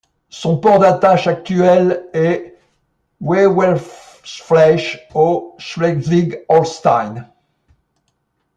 Son port d'attache actuel est Wewelsfleth au Schleswig-Holstein.